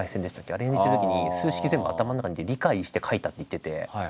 あれ演じているときに数式全部頭の中で理解して書いたって言ってて。